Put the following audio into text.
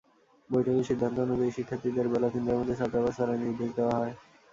বৈঠকের সিদ্ধান্ত অনুযায়ী, শিক্ষার্থীদের বেলা তিনটার মধ্যে ছাত্রাবাস ছাড়ার নির্দেশ দেওয়া হয়।